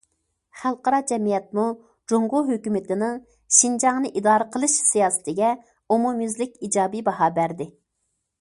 خەلقئارا جەمئىيەتمۇ جۇڭگو ھۆكۈمىتىنىڭ شىنجاڭنى ئىدارە قىلىش سىياسىتىگە ئومۇميۈزلۈك ئىجابىي باھا بەردى.